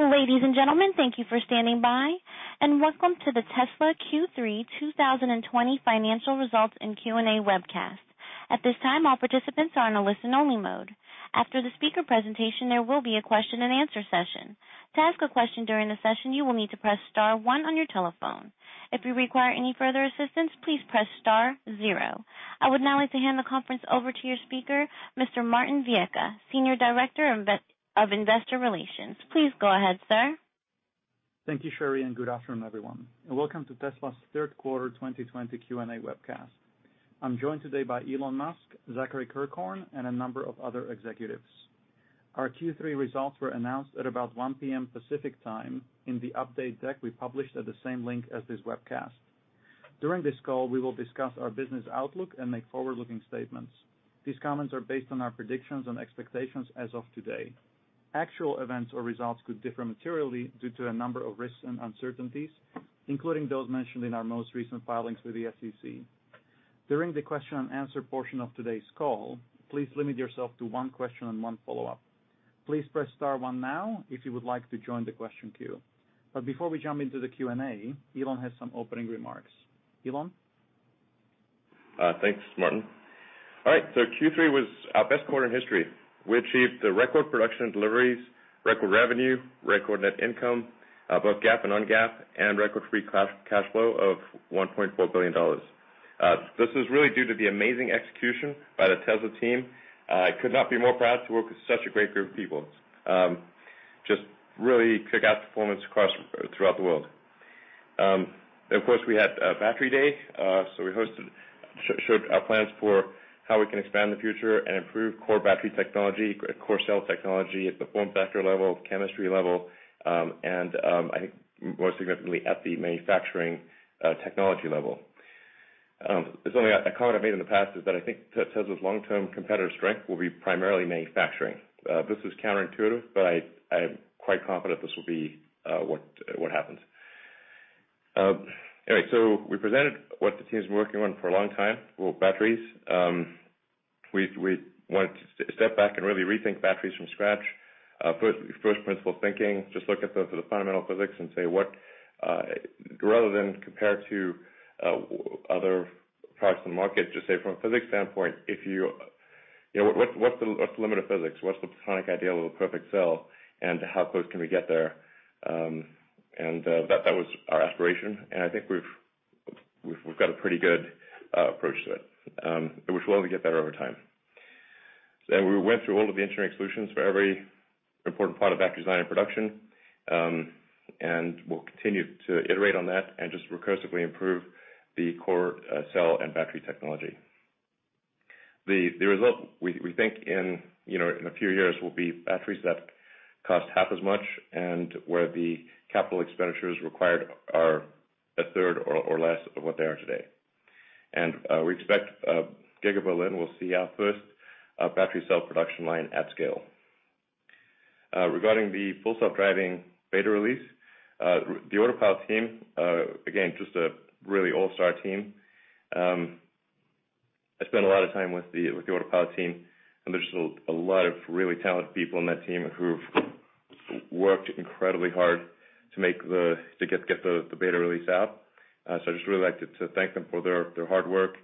Ladies and gentlemen, thank you for standing by, and welcome to the Tesla Q3 2020 financial results and Q&A webcast. I would now like to hand the conference over to your speaker, Mr. Martin Viecha, Senior Director of Investor Relations. Please go ahead, sir. Thank you, Sherry. Good afternoon, everyone, and welcome to Tesla's third quarter 2020 Q&A webcast. I'm joined today by Elon Musk, Zachary Kirkhorn, and a number of other executives. Our Q3 results were announced at about 1:00 P.M. Pacific Time in the update deck we published at the same link as this webcast. During this call, we will discuss our business outlook and make forward-looking statements. These comments are based on our predictions and expectations as of today. Actual events or results could differ materially due to a number of risks and uncertainties, including those mentioned in our most recent filings with the SEC. During the question and answer portion of today's call, please limit yourself to one question and one follow-up. Please press star one now if you would like to join the question queue. Before we jump into the Q&A, Elon has some opening remarks. Elon? Thanks, Martin. All right, Q3 was our best quarter in history. We achieved a record production and deliveries, record revenue, record net income, both GAAP and non-GAAP, and record free cash flow of $1.4 billion. This is really due to the amazing execution by the Tesla team. I could not be more proud to work with such a great group of people. Just really kickass performance throughout the world. Of course, we had Battery Day, we showed our plans for how we can expand the future and improve core battery technology, core cell technology at the form factor level, chemistry level, and I think more significantly, at the manufacturing technology level. A comment I made in the past is that I think Tesla's long-term competitive strength will be primarily manufacturing. This is counterintuitive, but I am quite confident this will be what happens. Anyway, we presented what the team's been working on for a long time, with batteries. We wanted to step back and really rethink batteries from scratch. First, first-principle thinking, just look at the fundamental physics and say what rather than compare to other products on the market, just say from a physics standpoint, if you know, what's the limit of physics? What's the Platonic ideal of a perfect cell, and how close can we get there? That was our aspiration, and I think we've got a pretty good approach to it, which will only get better over time. We went through all of the engineering solutions for every important part of battery design and production, and we'll continue to iterate on that and just recursively improve the core cell and battery technology. The result, we think in, you know, in a few years will be batteries that cost half as much and where the capital expenditures required are 1/3 or less of what they are today. We expect Giga Berlin will see our first battery cell production line at scale. Regarding the Full Self-Driving beta release, the Autopilot team, again, just a really all-star team. I spent a lot of time with the Autopilot team, and there's a lot of really talented people on that team who've worked incredibly hard to get the beta release out. I just really like to thank them for their hard work.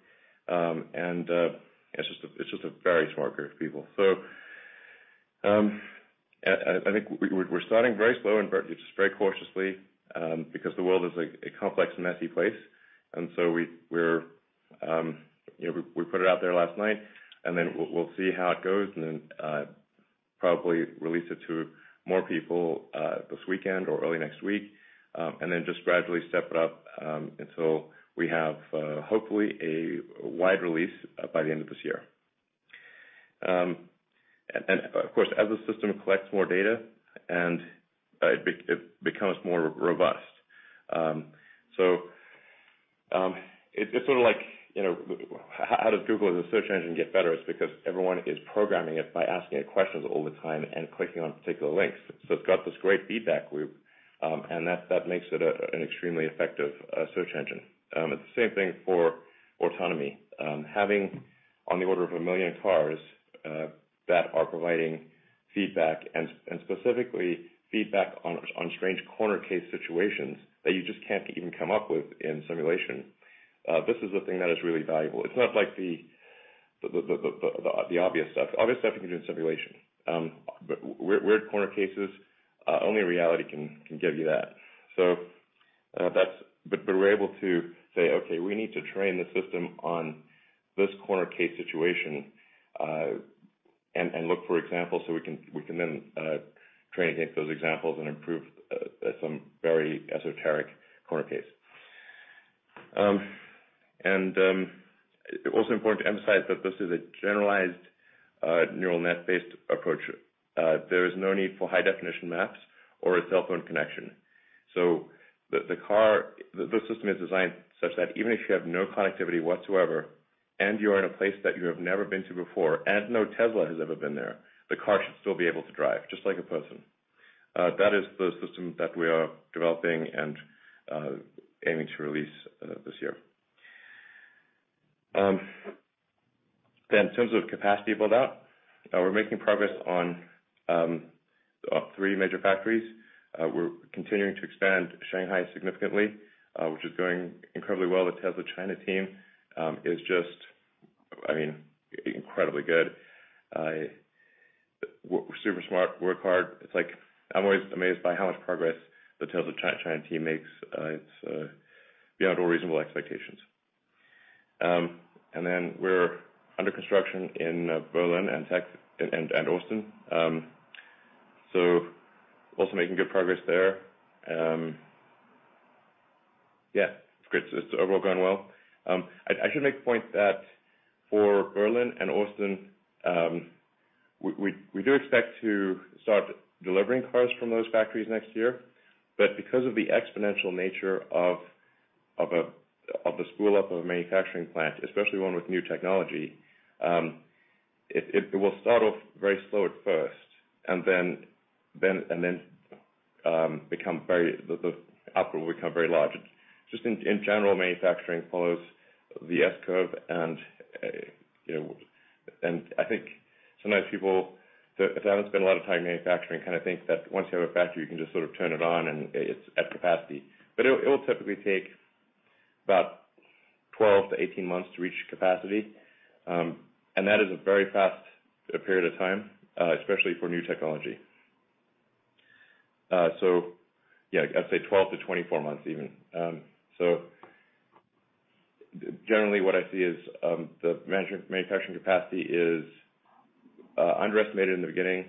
It's just a very smart group of people. I think we're starting very slow and very cautiously because the world is a complex, messy place. We're, you know, we put it out there last night, then we'll see how it goes then probably release it to more people this weekend or early next week, then just gradually step it up until we have hopefully a wide release by the end of this year. Of course, as the system collects more data and it becomes more robust. So it's sort of like, you know, how does Google as a search engine get better? It's because everyone is programming it by asking it questions all the time and clicking on particular links. It's got this great feedback loop and that makes it an extremely effective search engine. It's the same thing for autonomy. Having on the order of 1 million cars that are providing feedback, and specifically feedback on strange corner case situations that you just can't even come up with in simulation, this is the thing that is really valuable. It's not like the obvious stuff. Obvious stuff you can do in simulation. But weird corner cases, only reality can give you that. That's-- But we're able to say, "Okay, we need to train the system on this corner case situation, and look for examples so we can then train against those examples and improve at some very esoteric corner case." It's also important to emphasize that this is a generalized, neural net-based approach. There is no need for high-definition maps or a cell phone connection. The system is designed such that even if you have no connectivity whatsoever, and you are in a place that you have never been to before, and no Tesla has ever been there, the car should still be able to drive, just like a person. That is the system that we are developing and aiming to release this year. In terms of capacity build out, we're making progress on three major factories. We're continuing to expand Shanghai significantly, which is going incredibly well. The Tesla China team is just incredibly good. Super smart, work hard. It's like I'm always amazed by how much progress the Tesla China team makes. It's beyond all reasonable expectations. We're under construction in Berlin and Texas and Austin. Also making good progress there. It's great. It's overall going well. I should make a point that for Berlin and Austin, we do expect to start delivering cars from those factories next year. Because of the exponential nature of the spool up of a manufacturing plant, especially one with new technology, it will start off very slow at first and then the output will become very large. Just in general, manufacturing follows the S-curve. You know, I think sometimes people that haven't spent a lot of time in manufacturing kind of think that once you have a factory, you can just sort of turn it on and it's at capacity. It will typically take about 12-18 months to reach capacity. That is a very fast period of time, especially for new technology. I'd say 12-24 months even. Generally what I see is the manufacturing capacity is underestimated in the beginning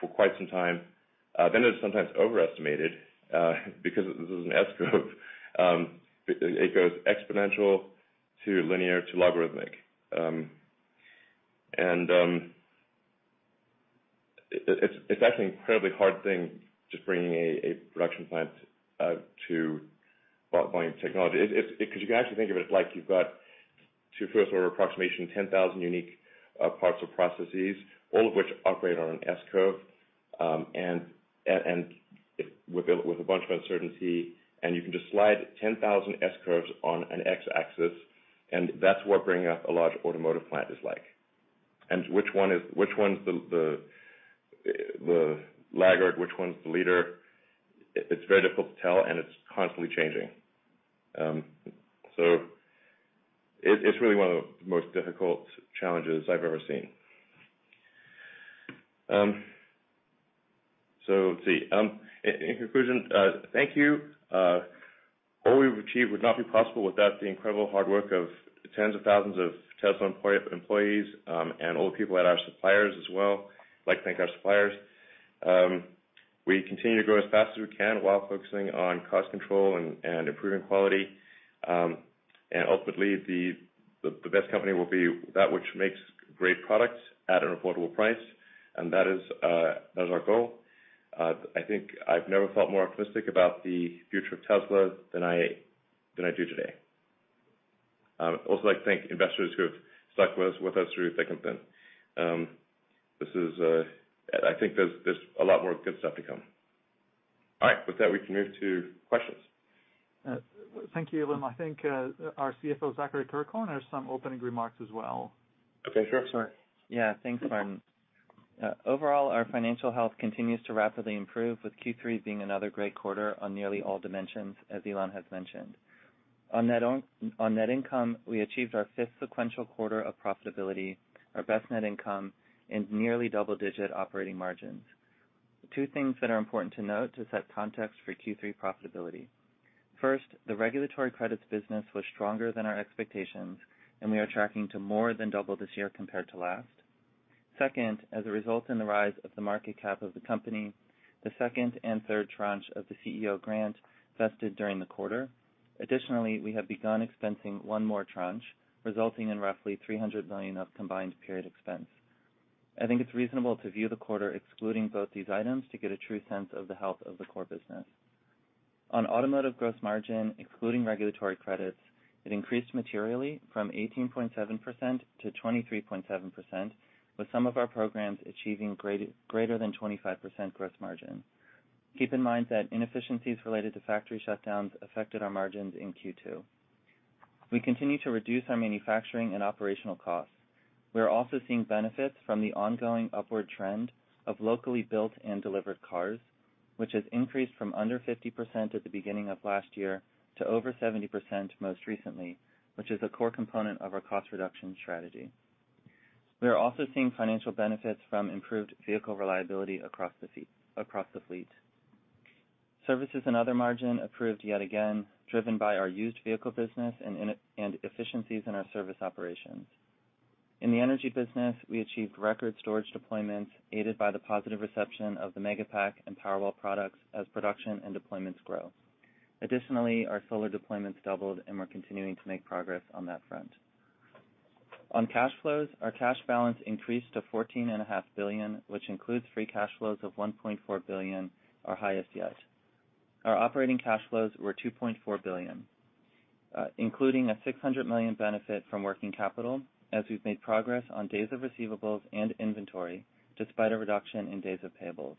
for quite some time. It is sometimes overestimated because this is an S-curve. It goes exponential to linear to logarithmic. It's actually an incredibly hard thing just bringing a production plant to volume technology. 'Cause you can actually think of it like you've got to first order approximation 10,000 unique parts or processes, all of which operate on an S-curve. With a bunch of uncertainty. You can just slide 10,000 S-curves on an X-axis, and that's what bringing up a large automotive plant is like. Which one's the laggard, which one's the leader, it's very difficult to tell, and it's constantly changing. It's really one of the most difficult challenges I've ever seen. Let's see. In conclusion, thank you. All we've achieved would not be possible without the incredible hard work of tens of thousands of Tesla employees, and all the people at our suppliers as well. I'd like to thank our suppliers. We continue to grow as fast as we can while focusing on cost control and improving quality. Ultimately, the best company will be that which makes great products at an affordable price, and that is our goal. I think I've never felt more optimistic about the future of Tesla than I do today. Also I'd like to thank investors who have stuck with us through thick and thin. This is I think there's a lot more good stuff to come. All right. With that, we can move to questions. Thank you, Elon. I think our CFO, Zachary Kirkhorn, has some opening remarks as well. Okay. Sure. Yeah. Thanks, Martin. Overall, our financial health continues to rapidly improve, with Q3 being another great quarter on nearly all dimensions, as Elon has mentioned. On net income, we achieved our fifth sequential quarter of profitability, our best net income in nearly double-digit operating margins. Two things that are important to note to set context for Q3 profitability. First, the regulatory credits business was stronger than our expectations, and we are tracking to more than double this year compared to last. Second, as a result in the rise of the market cap of the company, the second and third tranche of the CEO grant vested during the quarter. Additionally, we have begun expensing one more tranche, resulting in roughly $300 million of combined period expense. I think it's reasonable to view the quarter excluding both these items to get a true sense of the health of the core business. On automotive gross margin, excluding regulatory credits, it increased materially from 18.7%-23.7%, with some of our programs achieving greater than 25% gross margin. Keep in mind that inefficiencies related to factory shutdowns affected our margins in Q2. We continue to reduce our manufacturing and operational costs. We are also seeing benefits from the ongoing upward trend of locally built and delivered cars, which has increased from under 50% at the beginning of last year to over 70% most recently, which is a core component of our cost reduction strategy. We are also seeing financial benefits from improved vehicle reliability across the fleet. Services and other margin improved yet again, driven by our used vehicle business and efficiencies in our service operations. In the energy business, we achieved record storage deployments aided by the positive reception of the Megapack and Powerwall products as production and deployments grow. Additionally, our solar deployments doubled, and we're continuing to make progress on that front. On cash flows, our cash balance increased to $14.5 billion, which includes free cash flows of $1.4 billion, our highest yet. Our operating cash flows were $2.4 billion, including a $600 million benefit from working capital as we've made progress on days of receivables and inventory despite a reduction in days of payables.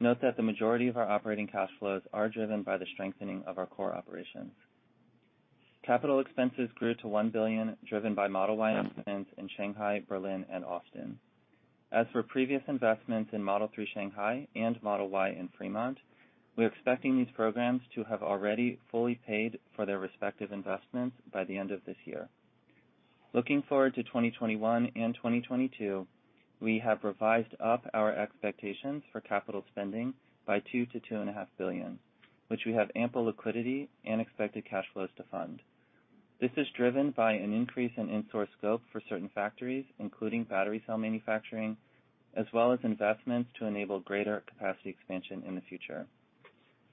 Note that the majority of our operating cash flows are driven by the strengthening of our core operations. CapEx grew to $1 billion, driven by Model Y investments in Shanghai, Berlin and Austin. As for previous investments in Model 3 Shanghai and Model Y in Fremont, we're expecting these programs to have already fully paid for their respective investments by the end of this year. Looking forward to 2021 and 2022, we have revised up our expectations for capital spending by $2 billion-$2.5 billion, which we have ample liquidity and expected cash flows to fund. This is driven by an increase in in-source scope for certain factories, including battery cell manufacturing, as well as investments to enable greater capacity expansion in the future.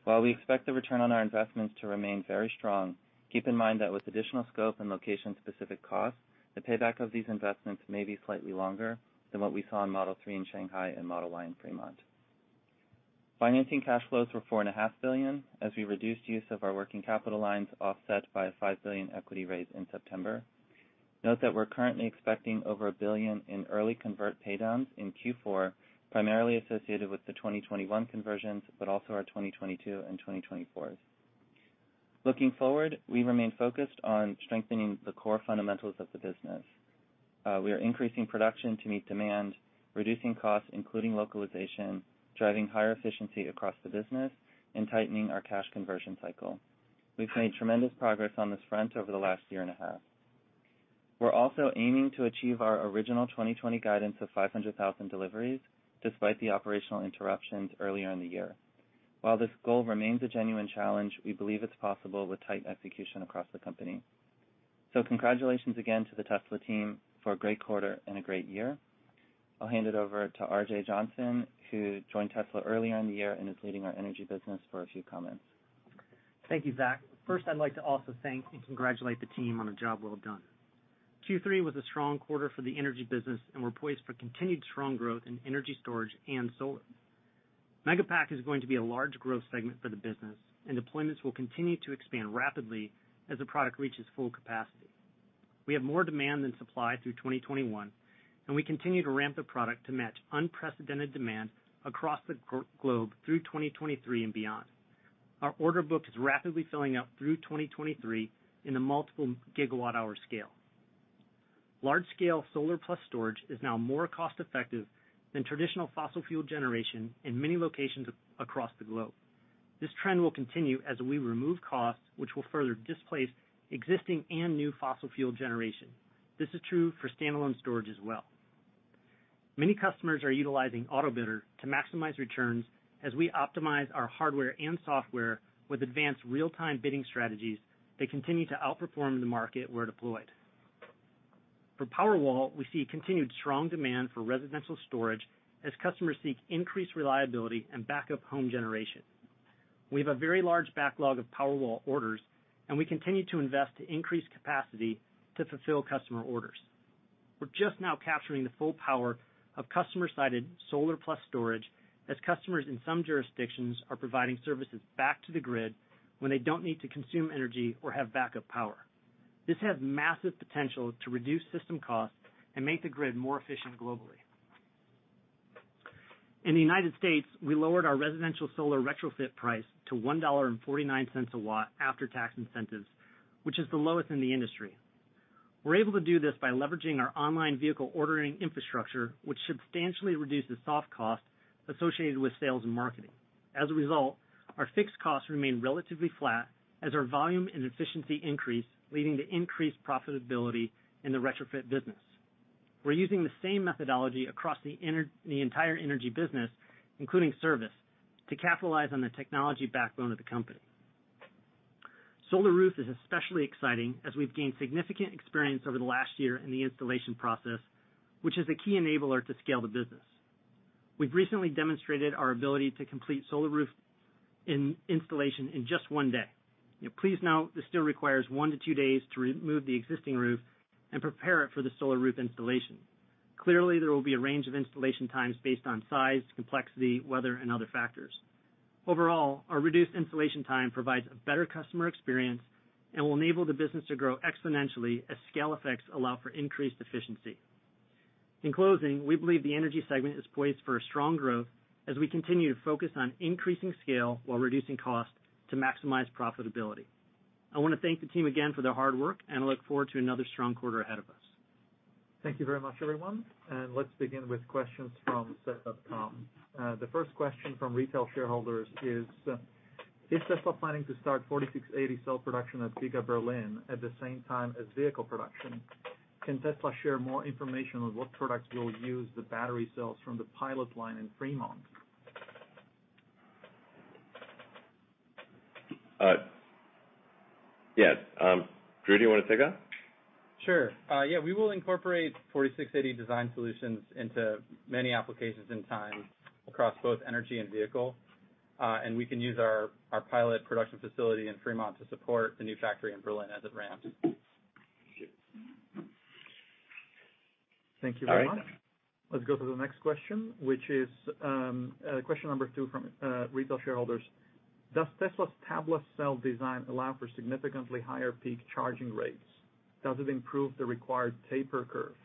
While we expect the return on our investments to remain very strong, keep in mind that with additional scope and location-specific costs, the payback of these investments may be slightly longer than what we saw in Model 3 in Shanghai and Model Y in Fremont. Financing cash flows were $4.5 billion as we reduced use of our working capital lines, offset by a $5 billion equity raise in September. Note that we're currently expecting over $1 billion in early convert pay downs in Q4, primarily associated with the 2021 conversions, but also our 2022 and 2024s. We remain focused on strengthening the core fundamentals of the business. We are increasing production to meet demand, reducing costs, including localization, driving higher efficiency across the business, and tightening our cash conversion cycle. We've made tremendous progress on this front over the last year and a half. We're also aiming to achieve our original 2020 guidance of 500,000 deliveries, despite the operational interruptions earlier in the year. While this goal remains a genuine challenge, we believe it's possible with tight execution across the company. Congratulations again to the Tesla team for a great quarter and a great year. I'll hand it over to RJ Johnson, who joined Tesla earlier in the year and is leading our energy business, for a few comments. Thank you, Zach. I'd like to also thank and congratulate the team on a job well done. Q3 was a strong quarter for the energy business, and we're poised for continued strong growth in energy storage and solar. Megapack is going to be a large growth segment for the business and deployments will continue to expand rapidly as the product reaches full capacity. We have more demand than supply through 2021, and we continue to ramp the product to match unprecedented demand across the globe through 2023 and beyond. Our order book is rapidly filling up through 2023 in the multiple gigawatt-hour scale. Large scale solar plus storage is now more cost effective than traditional fossil fuel generation in many locations across the globe. This trend will continue as we remove costs, which will further displace existing and new fossil fuel generation. This is true for standalone storage as well. Many customers are utilizing Autobidder to maximize returns as we optimize our hardware and software with advanced real-time bidding strategies that continue to outperform the market where deployed. For Powerwall, we see continued strong demand for residential storage as customers seek increased reliability and backup home generation. We have a very large backlog of Powerwall orders, and we continue to invest to increase capacity to fulfill customer orders. We're just now capturing the full power of customer-sited solar plus storage as customers in some jurisdictions are providing services back to the grid when they don't need to consume energy or have backup power. This has massive potential to reduce system costs and make the grid more efficient globally. In the United States, we lowered our residential solar retrofit price to $1.49 a watt after tax incentives, which is the lowest in the industry. We're able to do this by leveraging our online vehicle ordering infrastructure, which substantially reduces soft costs associated with sales and marketing. As a result, our fixed costs remain relatively flat as our volume and efficiency increase, leading to increased profitability in the retrofit business. We're using the same methodology across the entire energy business, including service, to capitalize on the technology backbone of the company. Solar Roof is especially exciting as we've gained significant experience over the last year in the installation process, which is a key enabler to scale the business. We've recently demonstrated our ability to complete Solar Roof installation in just one day. Please note this still requires one to two days to remove the existing roof and prepare it for the Solar Roof installation. Clearly, there will be a range of installation times based on size, complexity, weather, and other factors. Overall, our reduced installation time provides a better customer experience and will enable the business to grow exponentially as scale effects allow for increased efficiency. In closing, we believe the energy segment is poised for a strong growth as we continue to focus on increasing scale while reducing cost to maximize profitability. I wanna thank the team again for their hard work and look forward to another strong quarter ahead of us. Thank you very much, everyone. Let's begin with questions from Say Technologies. The first question from retail shareholders is, "Is Tesla planning to start 4680 Cell production at Giga Berlin at the same time as vehicle production? Can Tesla share more information on what products will use the battery cells from the pilot line in Fremont? Yes. Drew, do you wanna take that? Sure. Yeah, we will incorporate 4680 design solutions into many applications in time across both energy and vehicle. We can use our pilot production facility in Fremont to support the new factory in Berlin as it ramps. Thank you. All right. Thank you very much. Let's go to the next question, which is question number 2 from retail shareholders. Does Tesla's tabless cell design allow for significantly higher peak charging rates? Does it improve the required taper curve?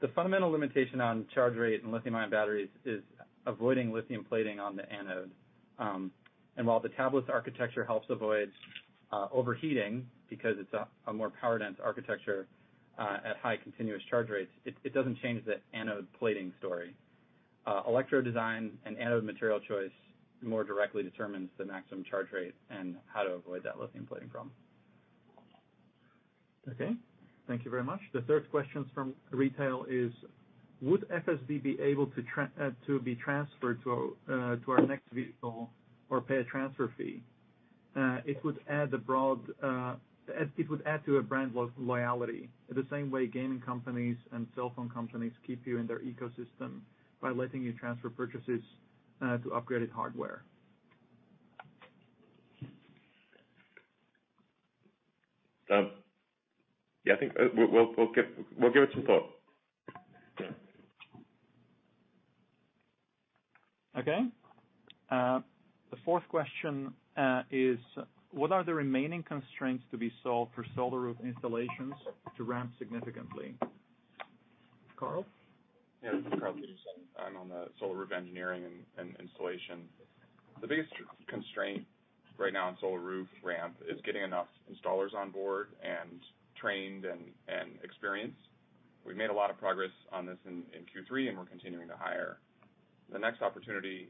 The fundamental limitation on charge rate in lithium-ion batteries is avoiding lithium plating on the anode. While the tabless architecture helps avoid overheating because it's a more power dense architecture, at high continuous charge rates, it doesn't change the anode plating story. Electrode design and anode material choice more directly determines the maximum charge rate and how to avoid that lithium plating problem. Okay. Thank you very much. The third question's from retail is: Would FSD be able to be transferred to our next vehicle or pay a transfer fee? It would add to a brand loyalty the same way gaming companies and cell phone companies keep you in their ecosystem by letting you transfer purchases to upgraded hardware. Yeah, I think we'll give it some thought. Okay. The fourth question is: What are the remaining constraints to be solved for Solar Roof installations to ramp significantly? Carl? This is Carl Peterson. I'm on the Solar Roof engineering and installation. The biggest constraint right now on Solar Roof ramp is getting enough installers on board and trained and experienced. We've made a lot of progress on this in Q3. We're continuing to hire. The next opportunity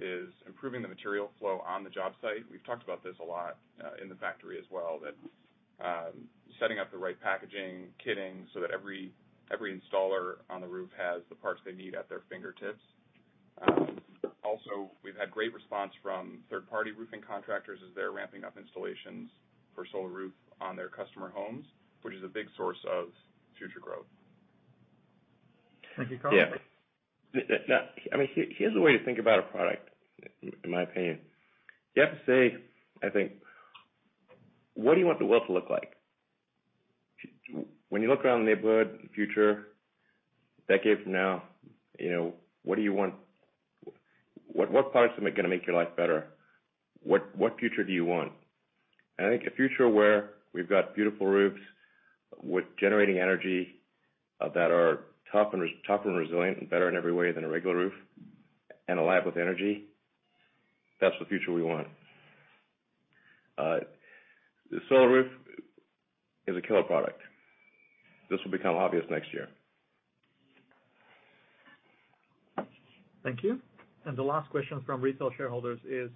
is improving the material flow on the job site. We've talked about this a lot in the factory as well, that setting up the right packaging, kitting so that every installer on the roof has the parts they need at their fingertips. We've had great response from third-party roofing contractors as they're ramping up installations for Solar Roof on their customer homes, which is a big source of future growth. Thank you, Carl. Yeah. Now, I mean, here's a way to think about a product, in my opinion. You have to say, I think, what do you want the world to look like? When you look around the neighborhood in the future, a decade from now, you know, what parts are gonna make your life better? What, what future do you want? I think a future where we've got beautiful roofs with generating energy, that are tough and resilient and better in every way than a regular roof and alive with energy, that's the future we want. Solar Roof is a killer product. This will become obvious next year. Thank you. The last question from retail shareholders is: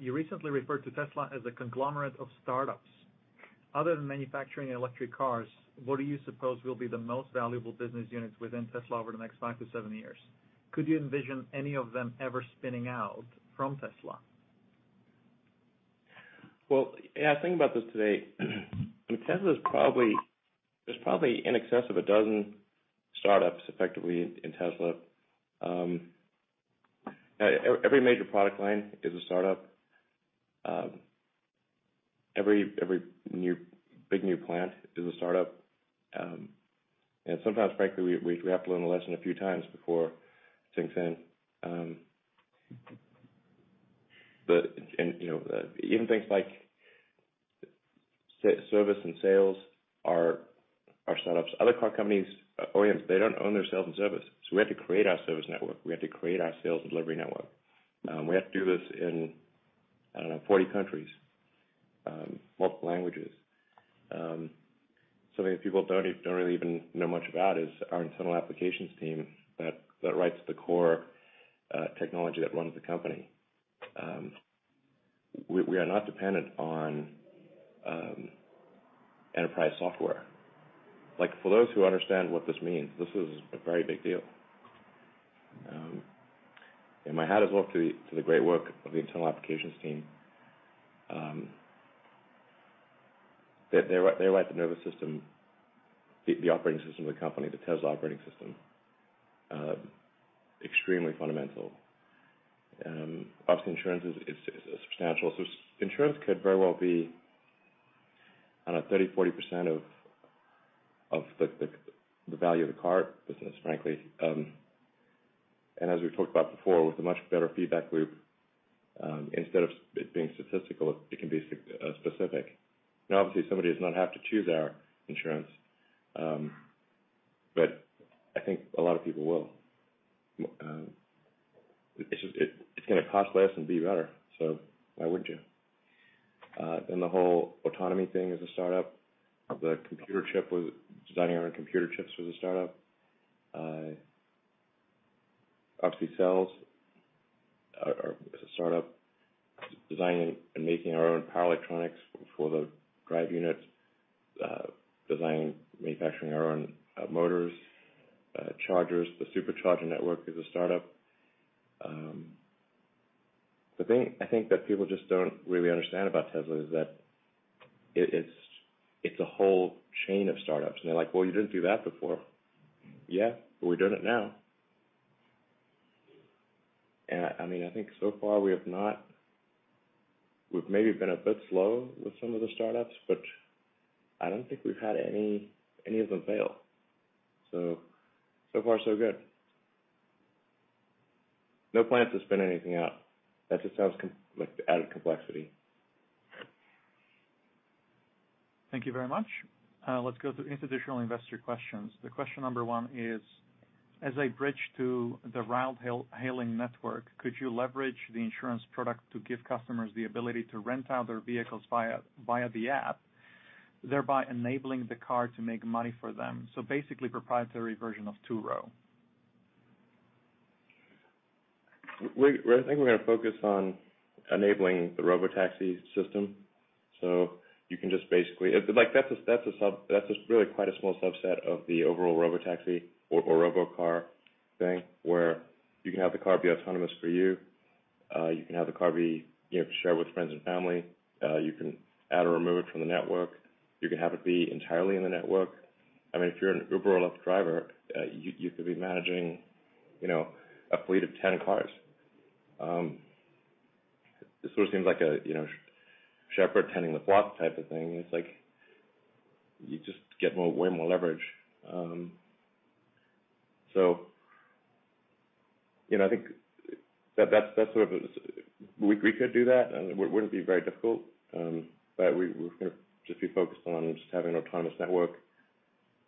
You recently referred to Tesla as a conglomerate of startups. Other than manufacturing electric cars, what do you suppose will be the most valuable business units within Tesla over the next five to seven years? Could you envision any of them ever spinning out from Tesla? Well, yeah, I was thinking about this today. I mean, Tesla's probably There's probably in excess of a dozen startups effectively in Tesla. Every major product line is a startup. Every big, new plant is a startup. Sometimes frankly, we have to learn the lesson a few times before things pan. You know, even things like service and sales are startups. Other car companies, OEMs, they don't own their sales and service. We had to create our service network. We had to create our sales delivery network. We had to do this in, I don't know, 40 countries, multiple languages. Something that people don't really even know much about is our internal applications team that writes the core technology that runs the company. We are not dependent on enterprise software. For those who understand what this means, this is a very big deal. My hat is off to the great work of the internal applications team. They write the nervous system, the operating system of the company, the Tesla operating system. Extremely fundamental. Obviously, insurance could very well be, I don't know, 30%, 40% of the value of the car business, frankly. As we've talked about before, with a much better feedback loop, instead of it being statistical, it can be specific. Obviously, somebody does not have to choose our insurance, I think a lot of people will. It's just, it's gonna cost less and be better, so why wouldn't you? Then the whole autonomy thing is a startup. Designing our own computer chips was a startup. Obviously, cells are a startup. Designing and making our own power electronics for the drive units. Designing, manufacturing our own motors, chargers. The Supercharger network is a startup. The thing I think that people just don't really understand about Tesla is that it is a whole chain of startups. They're like, "Well, you didn't do that before." Yeah, but we're doing it now. I mean, I think so far we have not We've maybe been a bit slow with some of the startups, but I don't think we've had any of them fail. So far so good. No plans to spin anything out. That just sounds like added complexity. Thank you very much. Let's go to institutional investor questions. The question number one is, as a bridge to the ride-hailing network, could you leverage the insurance product to give customers the ability to rent out their vehicles via the app, thereby enabling the car to make money for them? Basically, proprietary version of Turo. I think we're gonna focus on enabling the Robotaxi system. You can just basically Like, that's really quite a small subset of the overall Robotaxi or robocar thing, where you can have the car be autonomous for you can have the car be, you know, shared with friends and family, you can add or remove it from the network. You can have it be entirely in the network. I mean, if you're an Uber or Lyft driver, you could be managing, you know, a fleet of 10 cars. This sort of seems like a, you know, shepherd tending the flock type of thing. It's like you just get way more leverage. you know, I think that. We, we could do that, and it wouldn't be very difficult. We're gonna just be focused on just having an autonomous network,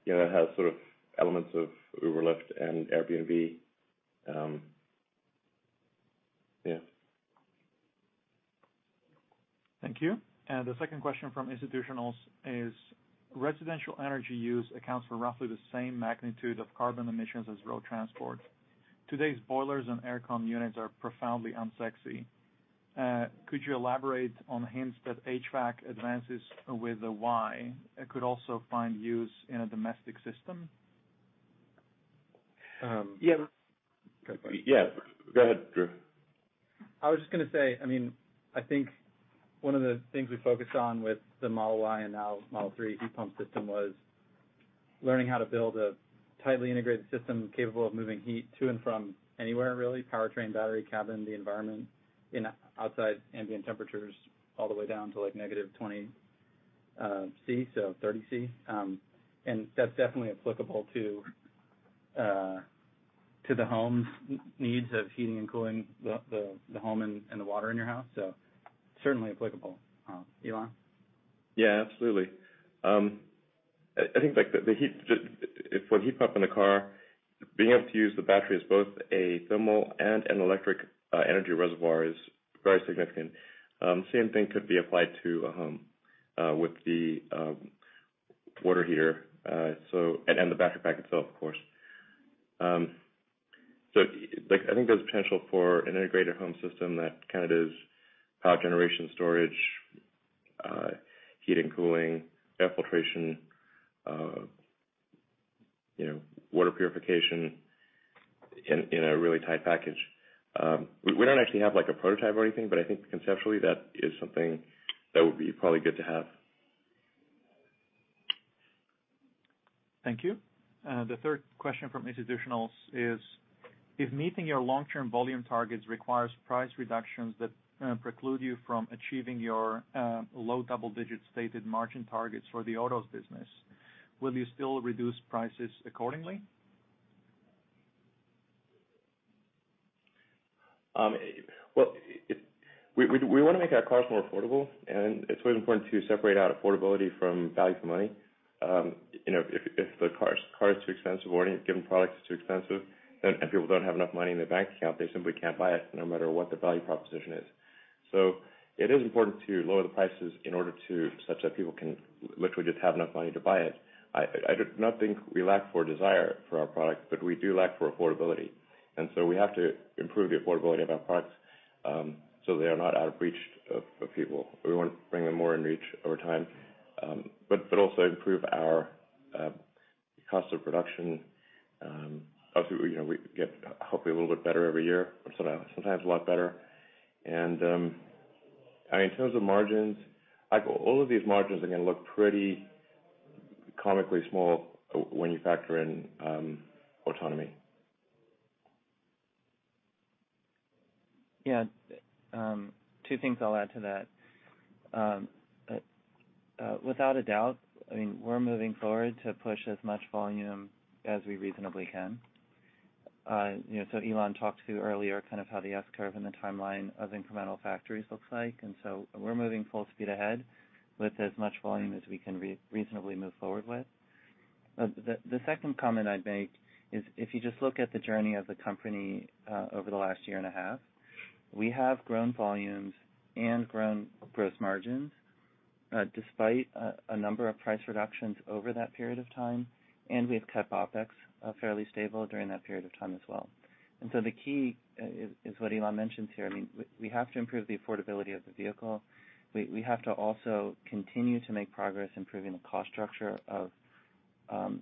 you know, that has sort of elements of Uber, Lyft, and Airbnb. Thank you. The second question from institutionals is, residential energy use accounts for roughly the same magnitude of carbon emissions as road transport. Today's boilers and air con units are profoundly unsexy. Could you elaborate on hints that HVAC advances with a Model Y could also find use in a domestic system? Um- Yeah. Good point. Yeah, go ahead, Drew. I was just gonna say, I mean, I think one of the things we focused on with the Model Y and now Model 3 heat pump system was learning how to build a tightly integrated system capable of moving heat to and from anywhere, really, Powertrain, battery, cabin, the environment, in outside ambient temperatures all the way down to, like, negative 20 C, so 30 C. That's definitely applicable to the home's needs of heating and cooling the home and the water in your house. Certainly applicable, Elon. Yeah, absolutely. I think, like, the heat pump in the car, being able to use the battery as both a thermal and an electric energy reservoir is very significant. Same thing could be applied to a home with the water heater. The battery pack itself, of course. Like, I think there's potential for an integrated home system that kind of is power generation storage, heat and cooling, air filtration, you know, water purification in a really tight package. We don't actually have, like, a prototype or anything, but I think conceptually that is something that would be probably good to have. Thank you. The third question from institutionals is, if meeting your long-term volume targets requires price reductions that preclude you from achieving your low double-digit stated margin targets for the autos business, will you still reduce prices accordingly? Well, it-- we wanna make our cars more affordable. It's really important to separate out affordability from value for money. You know, if the car is too expensive or any given product is too expensive, people don't have enough money in their bank account, they simply can't buy it no matter what the value proposition is. It is important to lower the prices in order to such that people can literally just have enough money to buy it. I do not think we lack for desire for our product, we do lack for affordability. We have to improve the affordability of our products, so they are not out of reach of people. We wanna bring them more in reach over time. Also improve our cost of production. Hopefully, you know, we get hopefully a little bit better every year, or sometimes a lot better. I mean, in terms of margins, like, all of these margins are gonna look pretty comically small when you factor in autonomy. Yeah. Two things I'll add to that. Without a doubt, we're moving forward to push as much volume as we reasonably can. Elon talked to earlier kind of how the S-curve and the timeline of incremental factories looks like. We're moving full speed ahead with as much volume as we can reasonably move forward with. The second comment I'd make is if you just look at the journey of the company, over the last year and a half, we have grown volumes and grown gross margins, despite a number of price reductions over that period of time, and we've kept OpEx fairly stable during that period of time as well. The key is what Elon mentions here. We have to improve the affordability of the vehicle. We have to also continue to make progress improving the cost structure of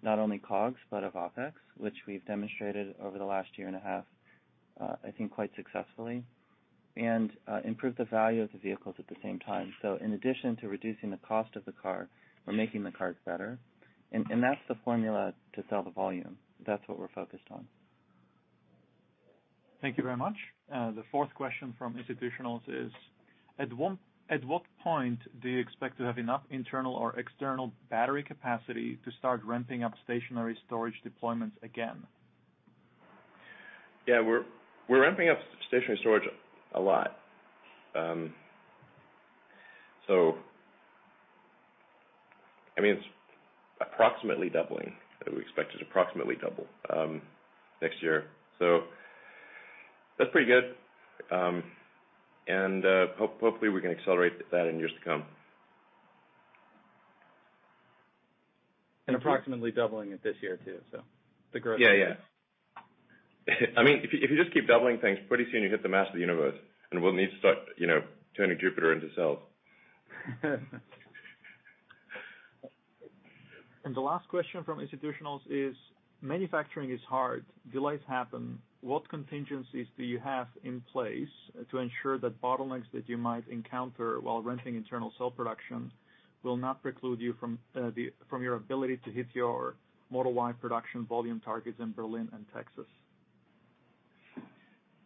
not only COGS but of OpEx, which we've demonstrated over the last year and a half, I think quite successfully, and improve the value of the vehicles at the same time. In addition to reducing the cost of the car, we're making the cars better. That's the formula to sell the volume. That's what we're focused on. Thank you very much. The fourth question from institutionals is: At what point do you expect to have enough internal or external battery capacity to start ramping up stationary storage deployments again? Yeah. We're ramping up stationary storage a lot. I mean, it's approximately doubling. We expect it to approximately double next year. That's pretty good. Hopefully we can accelerate that in years to come. approximately doubling it this year too. Yeah, yeah. I mean, if you just keep doubling things, pretty soon you hit the mass of the universe, and we'll need to start, you know, turning Jupiter into cells. The last question from institutionals is, manufacturing is hard. Delays happen. What contingencies do you have in place to ensure that bottlenecks that you might encounter while ramping internal cell production will not preclude you from your ability to hit your Model Y production volume targets in Berlin and Texas?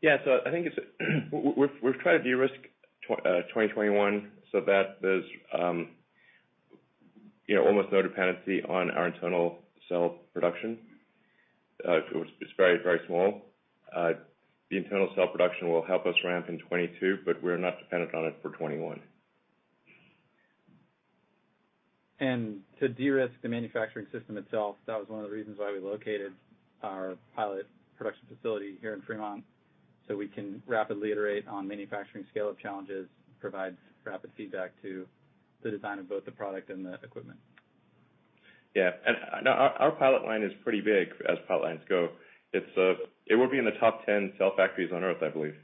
Yeah. I think it's we've tried to de-risk 2021 so that there's, you know, almost no dependency on our internal cell production. It's very, very small. The internal cell production will help us ramp in 2022, but we're not dependent on it for 2021. To de-risk the manufacturing system itself, that was one of the reasons why we located our pilot production facility here in Fremont, so we can rapidly iterate on manufacturing scale of challenges, provide rapid feedback to the design of both the product and the equipment. Yeah. Our pilot line is pretty big as pilot lines go. It will be in the top 10 cell factories on Earth, I believe.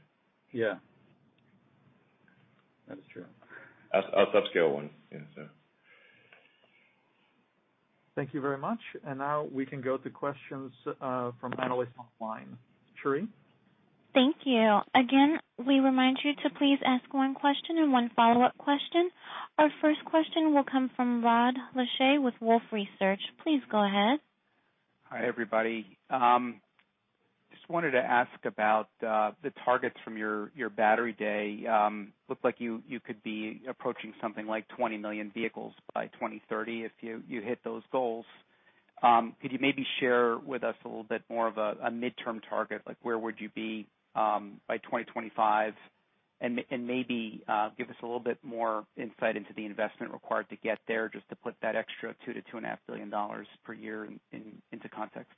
Yeah. That is true. As scale-up ones. Yeah, so. Thank you very much. Now we can go to questions from analysts online. Sherry? Thank you. Again, we remind you to please ask one question and one follow-up question. Our first question will come from Rod Lache with Wolfe Research. Please go ahead. Hi, everybody. Just wanted to ask about the targets from your Battery Day. Looked like you could be approaching something like 20 million vehicles by 2030 if you hit those goals. Could you maybe share with us a little bit more of a midterm target? Like, where would you be by 2025? Maybe give us a little bit more insight into the investment required to get there, just to put that extra $2 billion-$2.5 billion per year into context.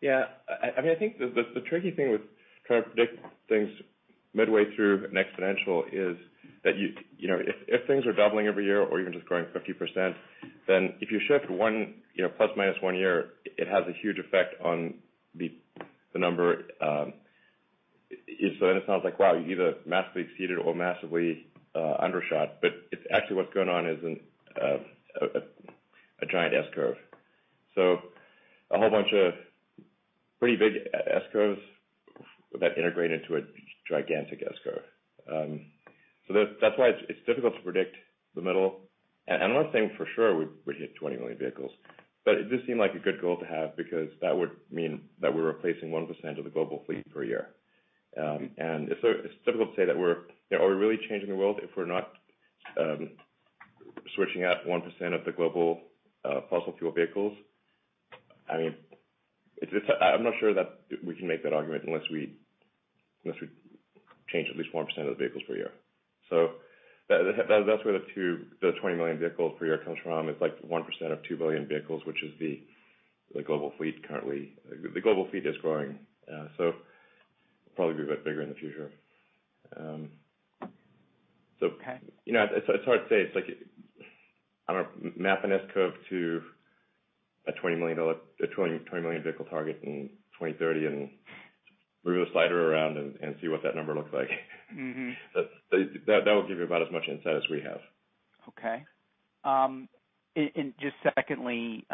Yeah. I mean, I think the tricky thing with trying to predict things midway through an exponential is that you know, if things are doubling every year or even just growing 50%, then if you shift one, you know, ±1 year, it has a huge effect on the number. It sounds like, wow, you either massively exceeded or massively undershot. It's actually what's going on is a giant S-curve. A whole bunch of pretty big S-curves that integrate into a gigantic S-curve. That's why it's difficult to predict the middle. I'm not saying for sure we'd hit 20 million vehicles, but it just seemed like a good goal to have because that would mean that we're replacing 1% of the global fleet per year. It's difficult to say that, you know, are we really changing the world if we're not switching out 1% of the global fossil fuel vehicles? I mean, it's, I'm not sure that we can make that argument unless we change at least 1% of the vehicles per year. That's where the 20 million vehicles per year comes from. It's like 1% of 2 billion vehicles, which is the global fleet currently. The global fleet is growing, it'll probably be a bit bigger in the future. Okay You know, it's hard to say. It's like, I don't map an S-curve to a $20 million, a 20 million vehicle target in 2030 and move the slider around and see what that number looks like. That will give you about as much insight as we have. Okay. And, and just secondly,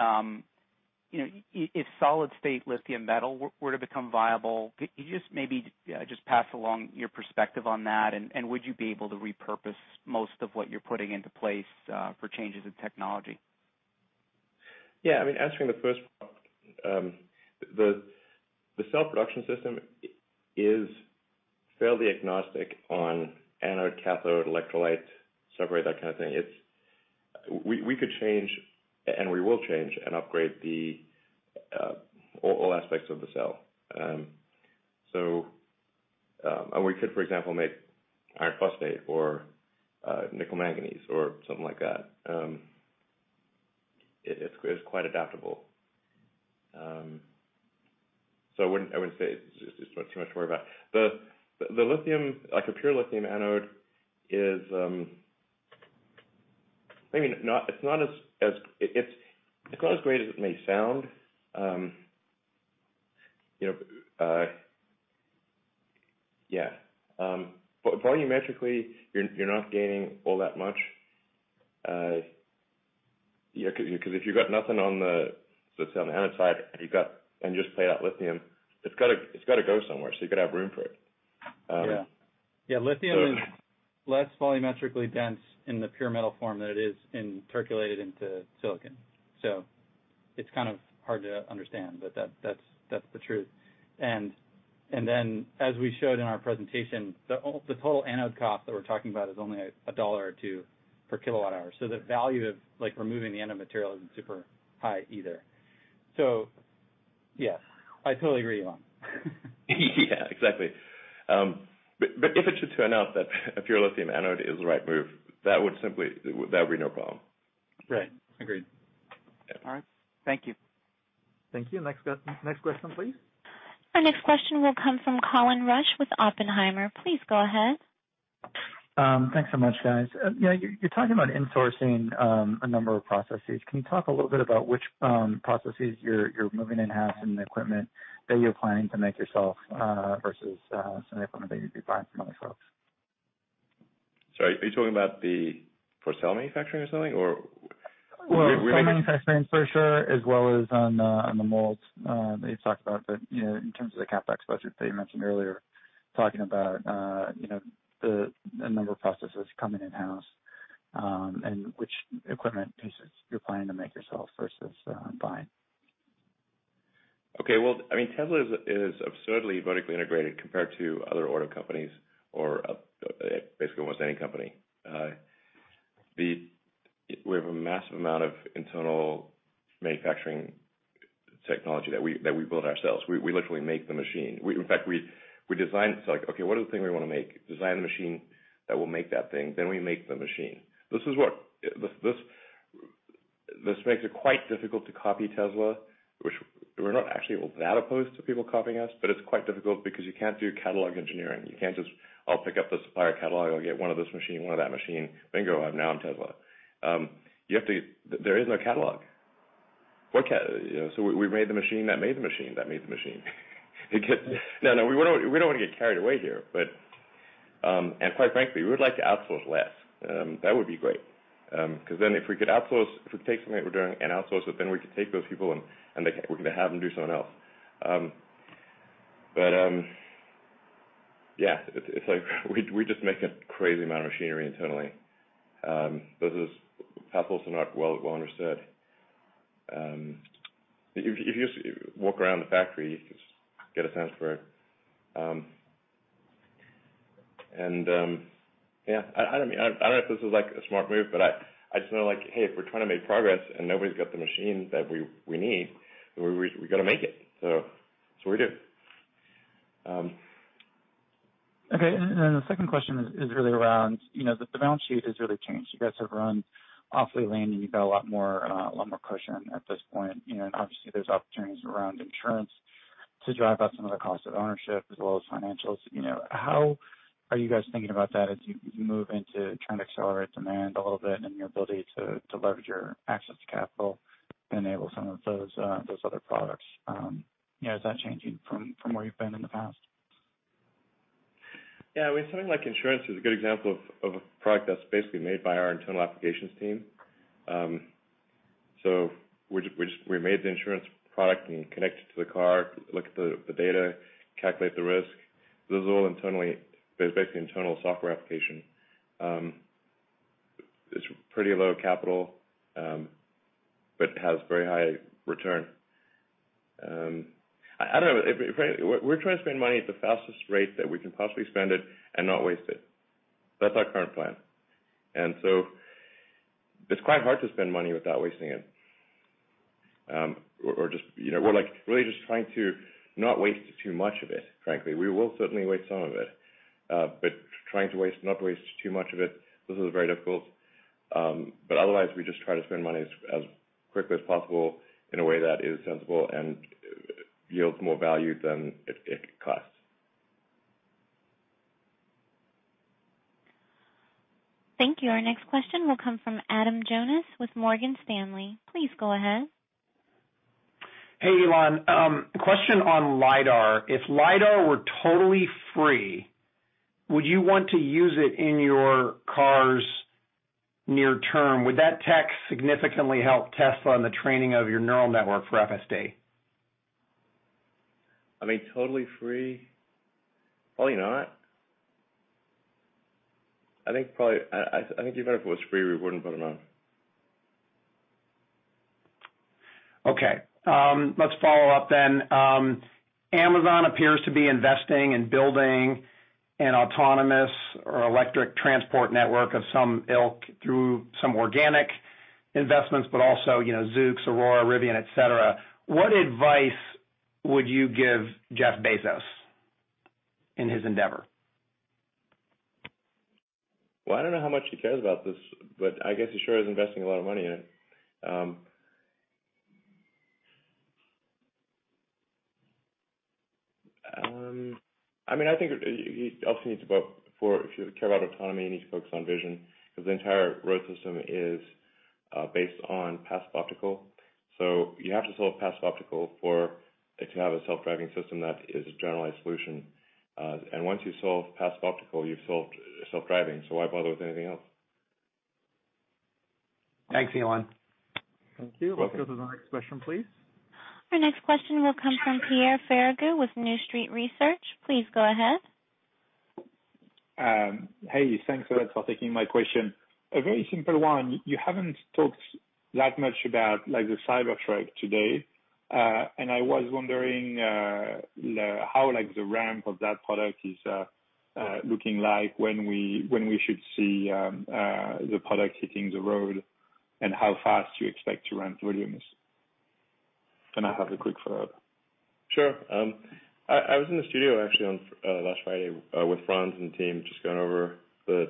you know, if solid state lithium metal were to become viable, could you just maybe, just pass along your perspective on that? Would you be able to repurpose most of what you're putting into place, for changes in technology? Yeah. I mean, answering the first part, the cell production system is fairly agnostic on anode, cathode, electrolyte, separate, that kind of thing. We could change, and we will change and upgrade the all aspects of the cell. And we could, for example, make iron phosphate or nickel manganese or something like that. It's quite adaptable. I wouldn't say it's one too much to worry about. The lithium, like a pure lithium anode is, I mean, not as great as it may sound. You know, yeah. Volumetrically, you're not gaining all that much, you know, 'cause if you've got nothing on the anode side and you just play out lithium, it's gotta go somewhere, so you gotta have room for it. Yeah. Yeah, lithium is less volumetrically dense in the pure metal form than it is in intercalated into silicon. It's kind of hard to understand, but that's the truth. As we showed in our presentation, the total anode cost that we're talking about is only a $1 or $2 per kWh. The value of, like, removing the anode material isn't super high either. Yeah, I totally agree, Elon Musk. Yeah, exactly. If it should turn out that a pure lithium anode is the right move, that would simply be no problem. Right. Agreed. Yeah. All right. Thank you. Thank you. Next question, please. Our next question will come from Colin Rusch with Oppenheimer. Please go ahead. Thanks so much, guys. You're talking about insourcing a number of processes. Can you talk a little bit about which processes you're moving in-house and the equipment that you're planning to make yourself versus some equipment that you'd be buying from other folks? Sorry, are you talking about the cell manufacturing or selling, or? Well, cell manufacturing for sure, as well as on the molds. You talked about the, you know, in terms of the CapEx budget that you mentioned earlier, talking about, you know, the, a number of processes coming in-house, and which equipment pieces you're planning to make yourself versus, buy. Okay. Well, I mean, Tesla is absurdly vertically integrated compared to other auto companies or basically almost any company. We have a massive amount of internal manufacturing technology that we build ourselves. We literally make the machine. We, in fact, we design it. It's like, okay, what are the things we want to make? Design a machine that will make that thing, we make the machine. This makes it quite difficult to copy Tesla, which we're not actually that opposed to people copying us, it's quite difficult because you can't do catalog engineering. You can't just pick up the supplier catalog, get one of this machine, one of that machine. Bingo, I'm now Tesla. There is no catalog. You know, we made the machine that made the machine that made the machine. We don't wanna get carried away here, but quite frankly, we would like to outsource less. That would be great. 'cause then if we could outsource, if we take something that we're doing and outsource it, then we could take those people and they can, we can have them do something else. Yeah, it's like we just make a crazy amount of machinery internally, but this is perhaps also not well understood. If you walk around the factory, you just get a sense for it. Yeah, I don't know if this is like a smart move, but I just know like, hey, if we're trying to make progress and nobody's got the machines that we need, we gotta make it. We do. Okay. The second question is really around, you know, the balance sheet has really changed. You guys have run off the land, and you've got a lot more cushion at this point. You know, and obviously, there's opportunities around insurance to drive out some of the cost of ownership as well as financials. You know, how are you guys thinking about that as you move into trying to accelerate demand a little bit and your ability to leverage your access to capital to enable some of those other products? You know, is that changing from where you've been in the past? I mean, something like insurance is a good example of a product that's basically made by our internal applications team. We just, we made the insurance product and connect it to the car, look at the data, calculate the risk. This is all internally, it's basically internal software application. It's pretty low capital, has very high return. I don't know. If we're trying to spend money at the fastest rate that we can possibly spend it and not waste it. That's our current plan. It's quite hard to spend money without wasting it. Or just, you know, we're like really just trying to not waste too much of it, frankly. We will certainly waste some of it. We are trying not waste too much of it, this is very difficult. Otherwise, we just try to spend money as quickly as possible in a way that is sensible and yields more value than it costs. Thank you. Our next question will come from Adam Jonas with Morgan Stanley. Please go ahead. Hey, Elon. Question on LiDAR. If LiDAR were totally free, would you want to use it in your cars near term? Would that tech significantly help Tesla on the training of your neural network for FSD? I mean, totally free? Probably not. I think probably I think even if it was free, we wouldn't put it on. Let's follow up. Amazon appears to be investing in building an autonomous or electric transport network of some ilk through some organic investments, but also, you know, Zoox, Aurora, Rivian, et cetera. What advice would you give Jeff Bezos in his endeavor? I don't know how much he cares about this, but I guess he sure is investing a lot of money in it. I mean, I think he also needs to go for If you care about autonomy, you need to focus on vision because the entire road system is based on passive optical. You have to solve passive optical for it to have a Self-Driving system that is a generalized solution. Once you solve passive optical, you've solved Self-Driving, so why bother with anything else? Thanks, Elon. Thank you. Welcome. Let's go to the next question, please. Our next question will come from Pierre Ferragu with New Street Research. Please go ahead. Hey, thanks a lot for taking my question. A very simple one. You haven't talked that much about, like, the Cybertruck today. I was wondering how, like, the ramp of that product is looking like when we should see the product hitting the road and how fast you expect to ramp volumes. Can I have a quick follow-up? Sure. I was in the studio actually on last Friday with Franz and the team, just going over the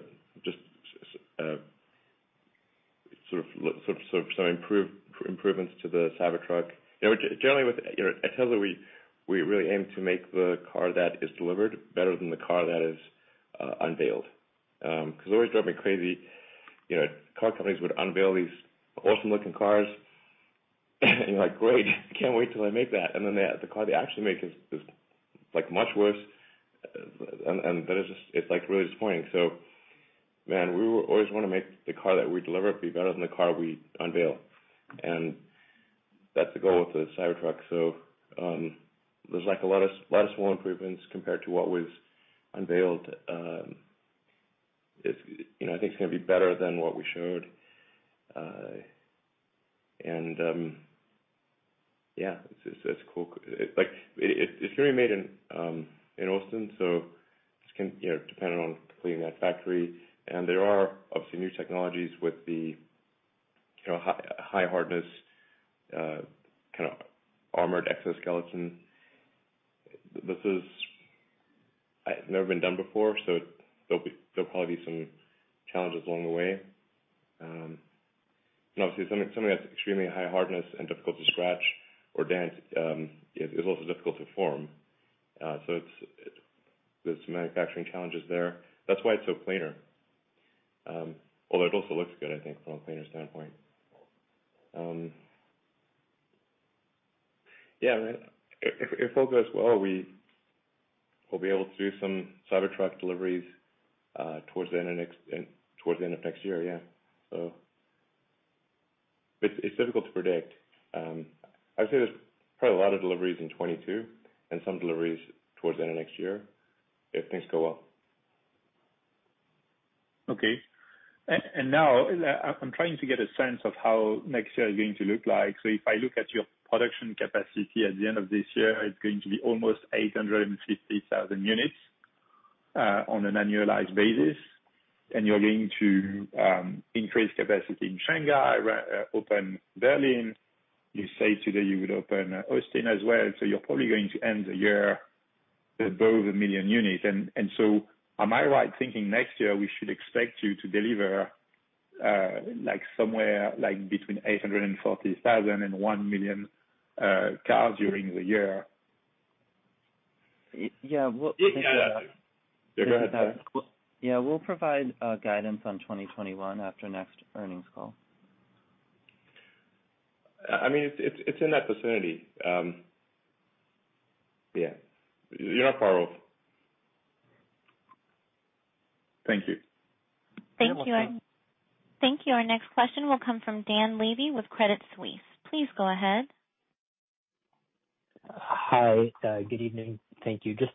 sort of some improvements to the Cybertruck. You know, generally, with, you know, at Tesla, we really aim to make the car that is delivered better than the car that is unveiled. Cause it always drove me crazy, you know, car companies would unveil these awesome-looking cars, and you're like, "Great, can't wait till they make that." Then the car they actually make is, like, much worse, and that is it's, like, really disappointing. Man, we always wanna make the car that we deliver be better than the car we unveil. That's the goal with the Cybertruck. There's, like, a lot of, lot of small improvements compared to what was unveiled. It's, you know, I think it's gonna be better than what we showed. Yeah, it's cool. Like, it's gonna be made in Austin, so this can, you know, dependent on completing that factory. There are obviously new technologies with the, you know, high hardness, kind of armored exoskeleton. This is never been done before, so there'll probably be some challenges along the way. Obviously something that's extremely high hardness and difficult to scratch or dent is also difficult to form. It's some manufacturing challenges there. That's why it's so planar. Although it also looks good, I think, from a planar standpoint. If all goes well, we will be able to do some Cybertruck deliveries towards the end of next year. It's difficult to predict. I'd say there's probably a lot of deliveries in 2022 and some deliveries towards the end of next year if things go well. Okay. Now, I'm trying to get a sense of how next year is going to look like. If I look at your production capacity at the end of this year, it's going to be almost 850,000 units on an annualized basis. You're going to increase capacity in Shanghai, open Berlin. You say today you would open Austin as well. You're probably going to end the year at above 1 million units. Am I right thinking next year we should expect you to deliver somewhere between 840,000 and 1 million cars during the year? Yeah. Yeah. Yeah. Go ahead, Zach. Yeah. We'll provide guidance on 2021 after next earnings call. I mean, it's in that vicinity. Yeah. You're not far off. Thank you. Yeah. Thank you. Our next question will come from Dan Levy with Credit Suisse. Please go ahead. Hi. Good evening. Thank you. Just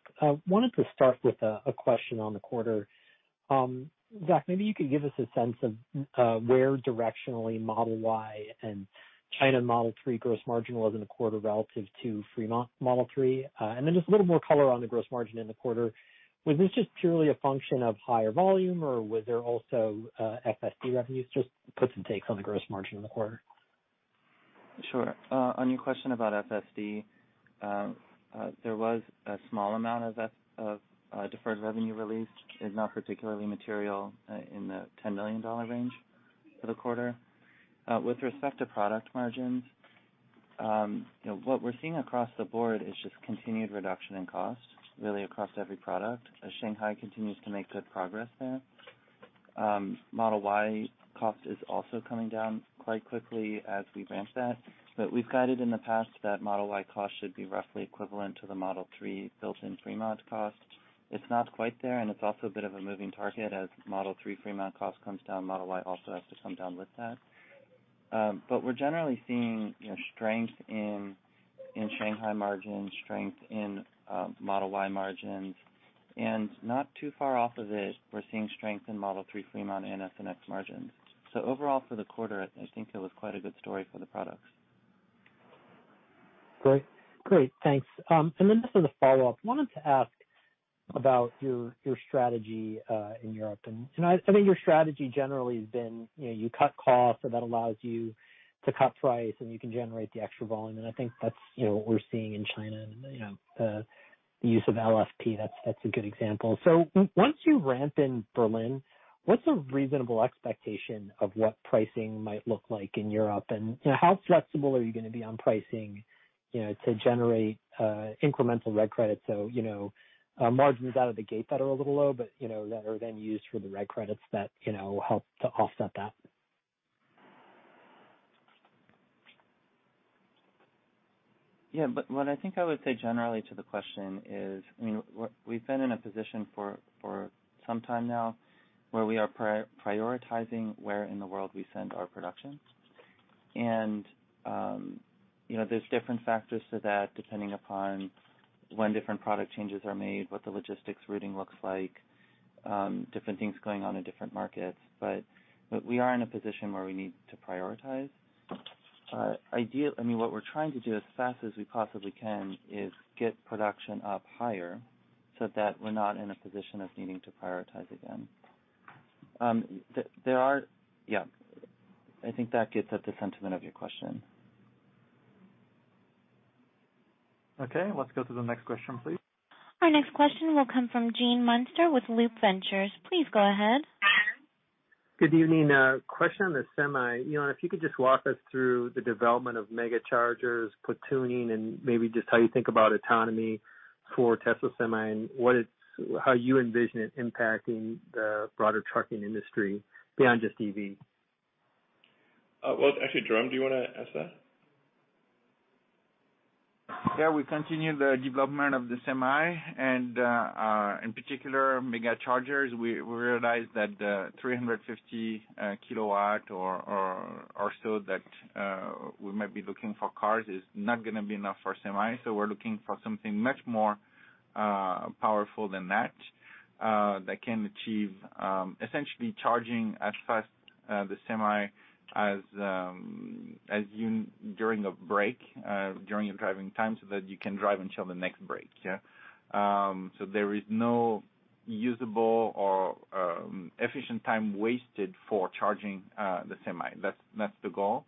wanted to start with a question on the quarter. Zach, maybe you could give us a sense of where directionally Model Y and China Model 3 gross margin was in the quarter relative to Fremont Model 3. Just a little more color on the gross margin in the quarter. Was this just purely a function of higher volume, or was there also FSD revenues? Just gives and takes on the gross margin in the quarter. Sure. On your question about FSD, there was a small amount of deferred revenue released, is not particularly material, in the $10 million range for the quarter. With respect to product margins, you know, what we're seeing across the board is just continued reduction in cost really across every product, as Shanghai continues to make good progress there. Model Y cost is also coming down quite quickly as we ramp that. We've guided in the past that Model Y cost should be roughly equivalent to the Model 3 built in Fremont cost. It's not quite there, and it's also a bit of a moving target. As Model 3 Fremont cost comes down, Model Y also has to come down with that. We're generally seeing, you know, strength in Shanghai margins, strength in Model Y margins. Not too far off of it, we're seeing strength in Model 3 Fremont and S and X margins. Overall, for the quarter, I think it was quite a good story for the products. Great. Great. Thanks. Just as a follow-up, wanted to ask about your strategy in Europe. I think your strategy generally has been, you know, you cut cost so that allows you to cut price and you can generate the extra volume. I think that's, you know, what we're seeing in China and, you know, the use of LFP, that's a good example. Once you ramp in Berlin, what's a reasonable expectation of what pricing might look like in Europe? You know, how flexible are you gonna be on pricing, you know, to generate incremental reg credits so, you know, margins out of the gate that are a little low, but, you know, that are then used for the reg credits that, you know, help to offset that? What I think I would say generally to the question is, I mean, we've been in a position for some time now where we are prioritizing where in the world we send our production. You know, there's different factors to that, depending upon when different product changes are made, what the logistics routing looks like, different things going on in different markets. We are in a position where we need to prioritize. I mean, what we're trying to do as fast as we possibly can is get production up higher so that we're not in a position of needing to prioritize again. I think that gets at the sentiment of your question. Okay, let's go to the next question, please. Our next question will come from Gene Munster with Loup Ventures. Please go ahead. Good evening. Question on the Semi. Elon, if you could just walk us through the development of Megacharger, platooning, and maybe just how you think about autonomy for Tesla Semi and how you envision it impacting the broader trucking industry beyond just EV? Well, actually, Jerome, do you wanna answer that? We continue the development of the Semi and in particular, Megacharger. We realized that 350 kW or so that we might be looking for cars is not gonna be enough for Semi. We're looking for something much more powerful than that that can achieve essentially charging as fast the Semi as during a break during your driving time, so that you can drive until the next break. There is no usable or efficient time wasted for charging the Semi. That's the goal.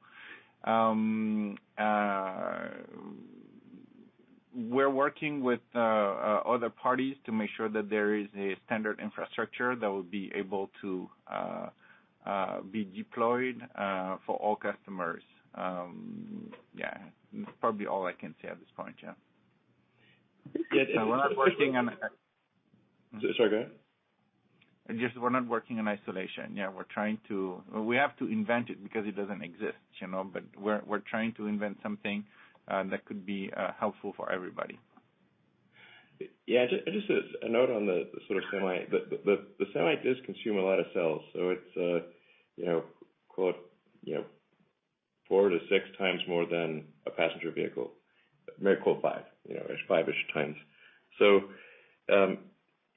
We're working with other parties to make sure that there is a standard infrastructure that will be able to be deployed for all customers. That's probably all I can say at this point, yeah. Yeah. We're not working on- Sorry, go ahead. We're not working in isolation. We have to invent it because it doesn't exist, you know? We're trying to invent something that could be helpful for everybody. Yeah, just as a note on the sort of Semi, the Semi does consume a lot of cells, so it's, you know, quote, you know, 4x-6x more than a passenger vehicle. May quote 5x, you know, 5x.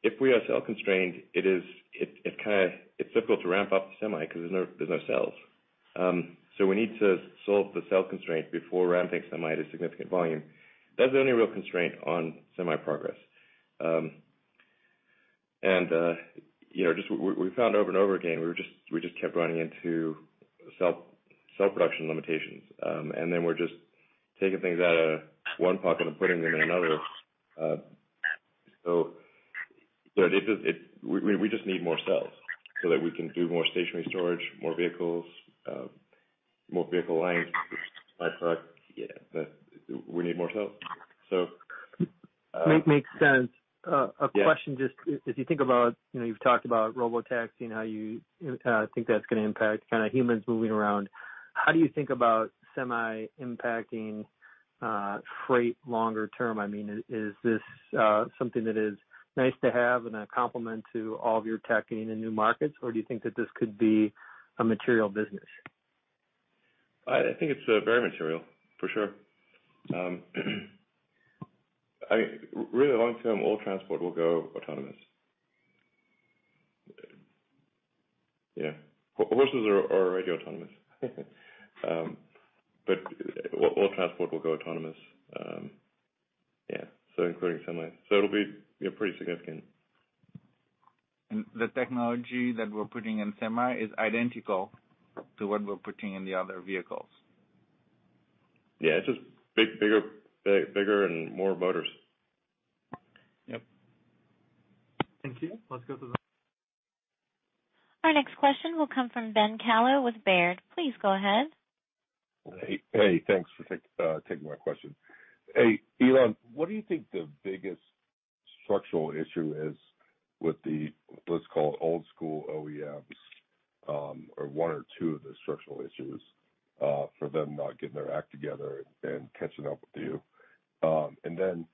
If we are cell constrained, it is kinda difficult to ramp up the Semi 'cause there's no cells. We need to solve the cell constraint before ramping Semi at a significant volume. That's the only real constraint on Semi progress. You know, just we found over and over again, we just kept running into cell production limitations. We're just taking things out of one pocket and putting them in another. We just need more cells so that we can do more stationary storage, more vehicles, more vehicle lines, semi-trucks. Yeah, we need more cells. Makes sense. Yeah. A question, just as you think about, you know, you've talked about Robotaxi and how you think that's gonna impact kinda humans moving around, how do you think about Semi impacting freight longer term? I mean, is this something that is nice to have and a complement to all of your attack in new markets, or do you think that this could be a material business? I think it's very material, for sure. I mean, really long-term, all transport will go autonomous. Yeah. Horses are already autonomous. All transport will go autonomous. Yeah, including Semi. It'll be, yeah, pretty significant. The technology that we're putting in Semi is identical to what we're putting in the other vehicles. Yeah, it's just big, bigger, and more motors. Yep. Thank you. Our next question will come from Ben Kallo with Baird. Please go ahead. Hey. Hey, thanks for taking my question. Hey, Elon, what do you think the biggest structural issue is with the, let's call it old school OEMs, or one or two of the structural issues for them not getting their act together and catching up with you? Then,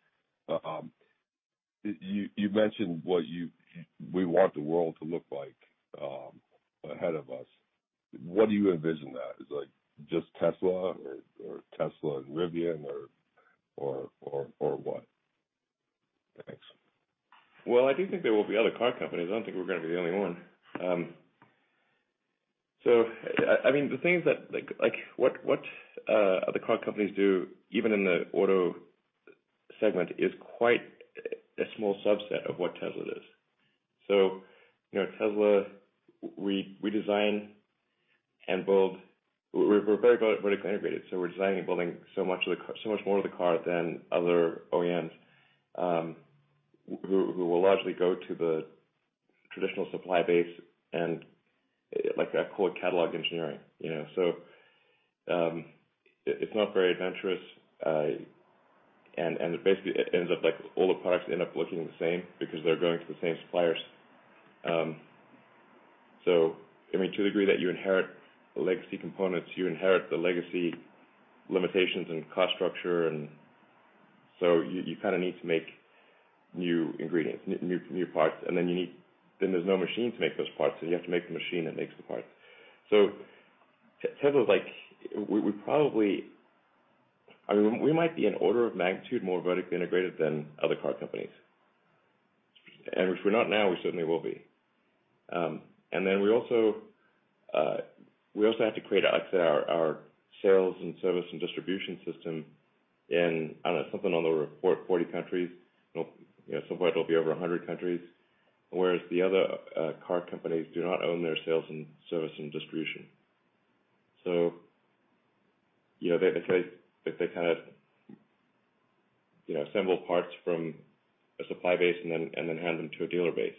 you mentioned what we want the world to look like ahead of us. What do you envision that? Is like just Tesla or Tesla and Rivian or what? Thanks. Well, I do think there will be other car companies. I don't think we're gonna be the only one. I mean, the things that, like what other car companies do, even in the auto segment, is quite a small subset of what Tesla does. you know, Tesla, we design and build We're very vertically integrated, so we're designing and building so much more of the car than other OEMs, who will largely go to the traditional supply base and like a quote catalog engineering, you know. It's not very adventurous. It basically ends up, like all the products end up looking the same because they're going to the same suppliers. I mean, to the degree that you inherit the legacy components, you inherit the legacy limitations and cost structure. You kinda need to make new ingredients, new parts. There's no machine to make those parts, you have to make the machine that makes the parts. Tesla's, like, I mean, we might be an order of magnitude more vertically integrated than other car companies. If we're not now, we certainly will be. We also have to create, like I say, our sales and service and distribution system in, I don't know, something on the order of 40 countries. You know, somewhere it'll be over 100 countries. Whereas the other car companies do not own their sales and service and distribution. You know, they, it's like, they kinda, you know, assemble parts from a supply base and then hand them to a dealer base.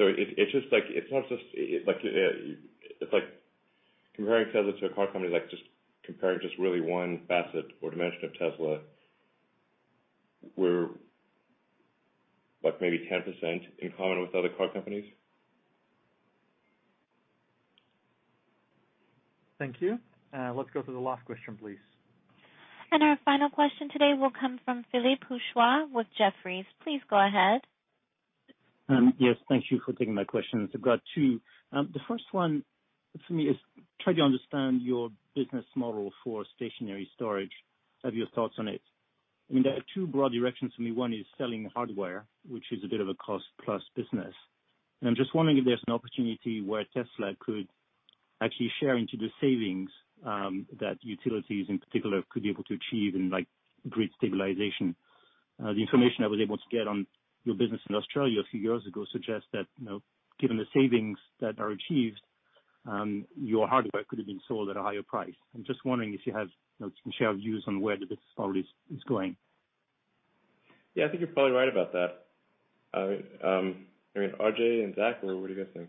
It's just like, it's not just, it like, it's like comparing Tesla to a car company is like just comparing really one facet or dimension of Tesla, where like maybe 10% in common with other car companies. Thank you. Let's go to the last question, please. Our final question today will come from Philippe Houchois with Jefferies. Please go ahead. Yes. Thank you for taking my questions. I've got two. The first one for me is trying to understand your business model for stationary storage. Have your thoughts on it. I mean, there are two broad directions for me. One is selling hardware, which is a bit of a cost-plus business. I'm just wondering if there's an opportunity where Tesla could actually share into the savings that utilities in particular could be able to achieve in, like, grid stabilization. The information I was able to get on your business in Australia a few years ago suggests that, you know, given the savings that are achieved, your hardware could have been sold at a higher price. I'm just wondering if you have, you know, some shared views on where the business model is going. Yeah. I think you're probably right about that. I mean, RJ and Zach, what do you guys think?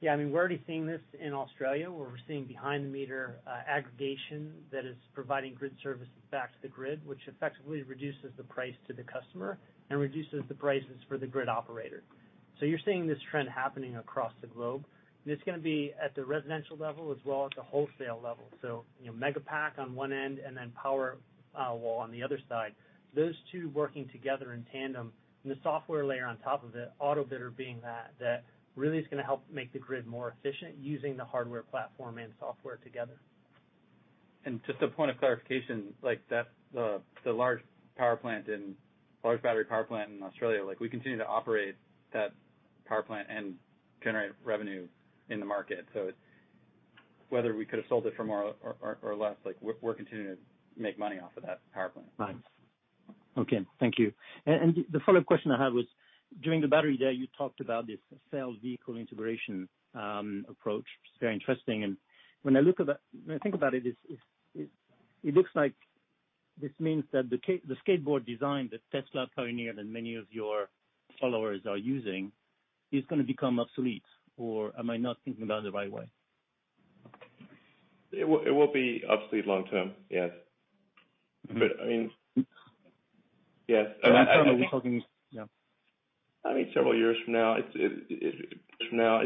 Yeah. I mean, we're already seeing this in Australia, where we're seeing behind the meter, aggregation that is providing grid services back to the grid, which effectively reduces the price to the customer and reduces the prices for the grid operator. You're seeing this trend happening across the globe, and it's gonna be at the residential level as well as the wholesale level. You know, Megapack on one end and then Powerwall on the other side. Those two working together in tandem and the software layer on top of it, Autobidder being that really is gonna help make the grid more efficient using the hardware platform and software together. Just a point of clarification, like, that the large battery power plant in Australia, like we continue to operate that power plant and generate revenue in the market. Whether we could have sold it for more or less, like we're continuing to make money off of that power plant. Right. Okay. Thank you. The follow-up question I had was, during the Battery Day, you talked about this cell vehicle integration approach. It's very interesting. When I look at that, when I think about it looks like this means that the skateboard design that Tesla pioneered and many of your followers are using is gonna become obsolete. Or am I not thinking about it the right way? It will be obsolete long term, yes. I mean, yes. I think. Long term, are we talking, yeah? I mean, several years from now. It's from now,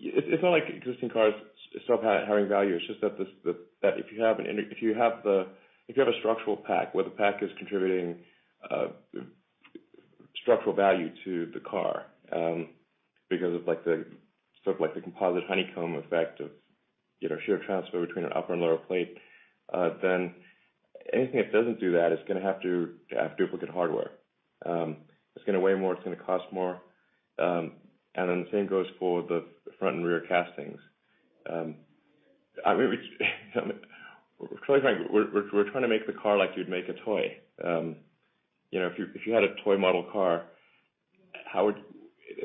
it's not like existing cars stop having value. It's just that the, that if you have a structural pack where the pack is contributing structural value to the car, because of like the sort of like the composite honeycomb effect of, you know, shear transfer between an upper and lower plate, then anything that doesn't do that is gonna have to have duplicate hardware. It's gonna weigh more, it's gonna cost more. The same goes for the front and rear castings. I mean, we sort of like we're trying to make the car like you'd make a toy. You know, if you, if you had a toy model car, and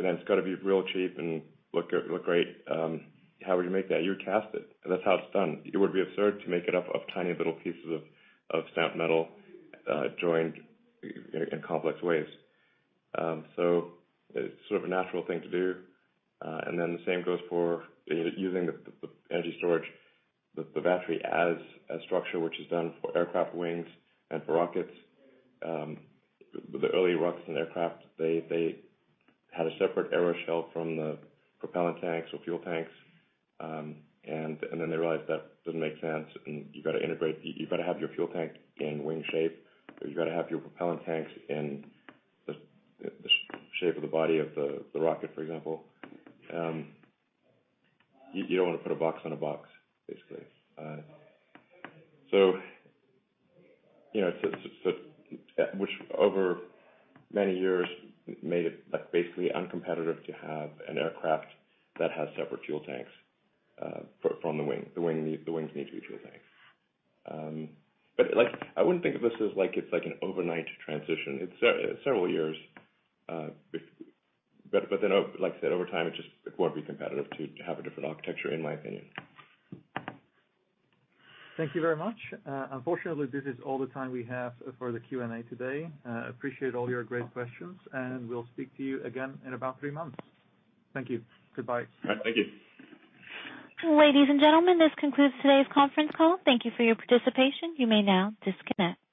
it's gotta be real cheap and look great, how would you make that? You would cast it, that's how it's done. It would be absurd to make it up of tiny little pieces of stamped metal, joined in complex ways. It's sort of a natural thing to do. The same goes for using the energy storage, the battery as a structure which is done for aircraft wings and for rockets. The early rockets and aircraft, they had a separate aeroshell from the propellant tanks or fuel tanks. Then they realized that doesn't make sense, you've gotta integrate, you've gotta have your fuel tank in wing shape, or you've gotta have your propellant tanks in the shape of the body of the rocket, for example. You know, which over many years made it, like, basically uncompetitive to have an aircraft that has separate fuel tanks from the wing. The wings need to be fuel tanks. I wouldn't think of this as like it's like an overnight transition. It's several years, like I said, over time, it just won't be competitive to have a different architecture in my opinion. Thank you very much. Unfortunately, this is all the time we have for the Q&A today. Appreciate all your great questions, we'll speak to you again in about three months. Thank you. Goodbye. All right. Thank you. Ladies and gentlemen, this concludes today's conference call. Thank you for your participation. You may now disconnect.